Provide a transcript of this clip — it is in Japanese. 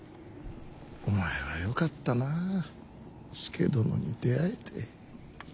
お前はよかったな佐殿に出会えて。